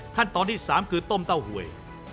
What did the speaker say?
ขั้นตอนที่๓คือต้มเต้าหวย